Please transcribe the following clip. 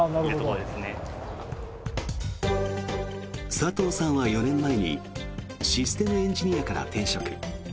佐藤さんは４年前にシステムエンジニアから転職。